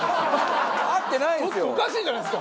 合ってないですよ。